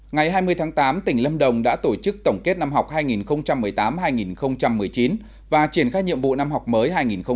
ngày hai mươi tháng tám tỉnh lâm đồng đã tổ chức tổng kết năm học hai nghìn một mươi tám hai nghìn một mươi chín và triển khai nhiệm vụ năm học mới hai nghìn một mươi chín hai nghìn hai mươi